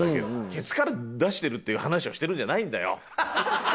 ケツから出してるっていう話をしてるんじゃないんだよ！